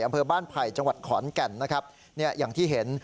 อำเภอบ้านไผ่จังหวัดขอนแก่นนะครับเนี่ยอย่างที่เห็น